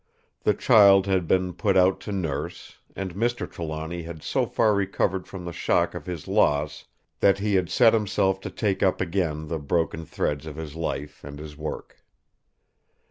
The child had been put out to nurse, and Mr. Trelawny had so far recovered from the shock of his loss that he had set himself to take up again the broken threads of his life and his work.